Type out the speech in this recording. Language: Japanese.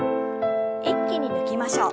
一気に抜きましょう。